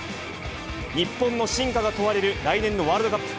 日本の真価が問われる来年のワールドカップ。